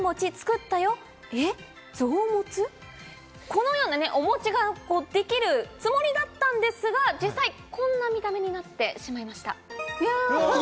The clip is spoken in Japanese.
このようなお餅ができるつもりだったんですが、実際このような見た目になってしウソ！？